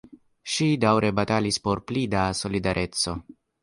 Ŝi daŭre batalis por pli da solidareco.